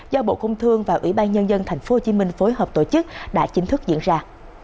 do bộ công thương và ủy ban nhân dân tp hcm phối hợp tổ chức đã chính thức diễn ra